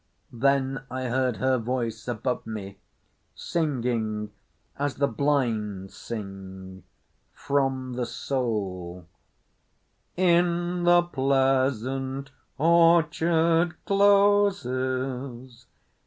Then I heard her voice above me, singing as the blind sing—from the soul:— In the pleasant orchard closes.